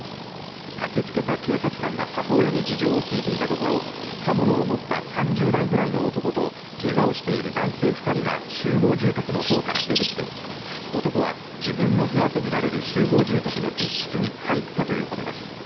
駆けつけた警察官が母親に事情を聴いていたところ刃物を持った３０代ぐらいの男とけがをしている男性２人が集合住宅の方から出てきて男は自分の部屋とみられる集合住宅の一室に入ったということです。